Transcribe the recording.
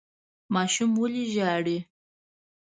ماشوم ولې ژاړي ؟